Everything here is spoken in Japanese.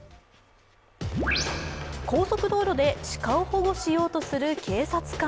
高速道路で鹿を保護しようとする警察官。